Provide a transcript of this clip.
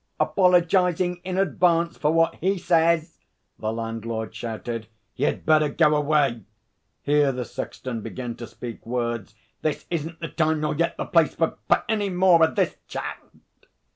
'Apologising in advarnce for what he says,' the landlord shouted: 'You'd better go away' (here the sexton began to speak words). 'This isn't the time nor yet the place for for any more o' this chat.'